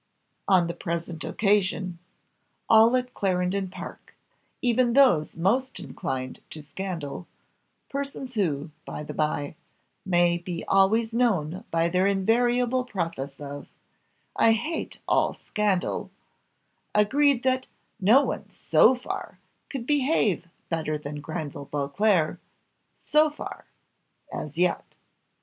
On the present occasion, all at Clarendon Park, even those most inclined to scandal, persons who, by the by, may be always known by their invariable preface of, "I hate all scandal," agreed that "no one so far could behave better than Granville Beauclerc so far," "as yet."